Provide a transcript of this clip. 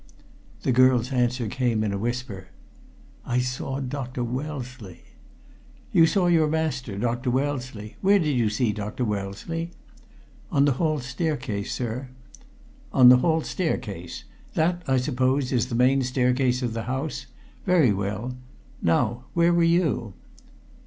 The girl's answer came in a whisper. "I saw Dr. Wellesley!" "You saw your master, Dr. Wellesley. Where did you see Dr. Wellesley?" "On the hall staircase, sir." "On the hall staircase. That, I suppose, is the main staircase of the house? Very well. Now where were you?"